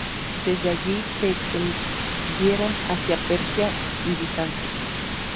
Desde allí, se extendieron hacia Persia y Bizancio.